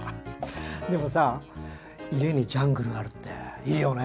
でもさ家にジャングルあるっていいよね。